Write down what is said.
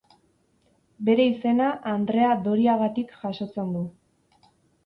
Bere izena Andrea Doriagatik jasotzen du.